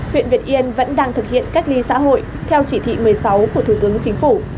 huyện việt yên vẫn đang thực hiện cách ly xã hội theo chỉ thị một mươi sáu của thủ tướng chính phủ